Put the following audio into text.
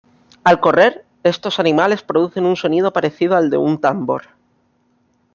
Al correr, estos animales producen un sonido parecido al de un tambor.